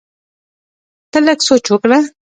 ته لږ سوچ وکړه!